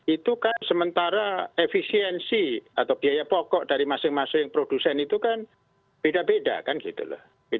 itu kan sementara efisiensi atau biaya pokok dari masing masing produsen itu kan beda beda kan gitu loh